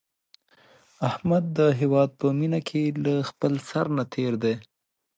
احمد د هیواد په مینه کې له خپل سر نه تېر دی.